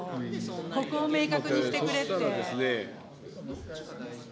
ここを明確にしてくれって。